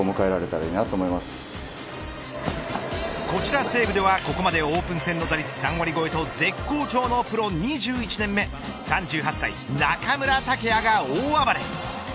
こちら西武では、ここまでオープン戦の打率３割超えと絶好調の２１年目、３８歳中村剛也が大暴れ。